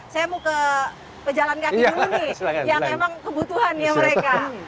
saya mau ke pejalan kaki dulu nih yang memang kebutuhannya mereka